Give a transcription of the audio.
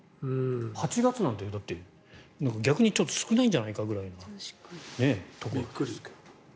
８月なんてだって逆に少ないんじゃないかくらいなところですけど。